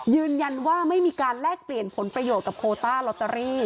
ยืนยันว่าไม่มีการแลกเปลี่ยนผลประโยชน์กับโคต้าลอตเตอรี่